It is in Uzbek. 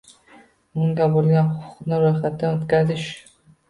Unga boʼlgan huquqni roʼyxatdan oʼtkazish